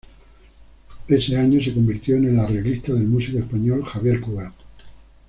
Ese año se convirtió en el arreglista del músico español Xavier Cugat.